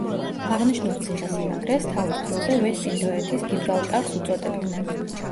აღნიშნულ ციხესიმაგრეს თავის დროზე „ვესტ-ინდოეთის გიბრალტარს“ უწოდებდნენ.